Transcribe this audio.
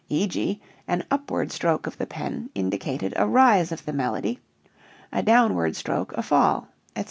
E.g., an upward stroke of the pen indicated a rise of the melody, a downward stroke a fall, etc.